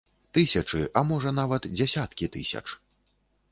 Тысячы, а можа нават дзясяткі тысяч.